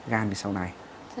gan sau này